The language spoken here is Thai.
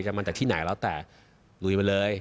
มาจากที่ไหนแล้วแต่ลุยมาเลย